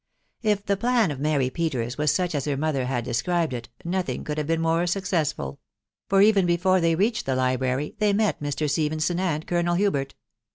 If the plan of Mary Peters was such as her mother had de scribed it, nothing could have been more successful ; for even before they reached the library, they met Mr. Stephenson and Colonel Hubert.